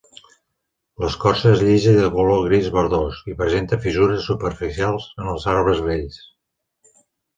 L'escorça és llisa i de color gris-verdós, i presenta fissures superficials en els arbres vells.